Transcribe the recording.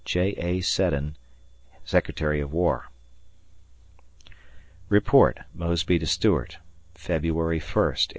J. A. Seddon, Secretary of War. [Report, Mosby to Stuart] February 1, 1864.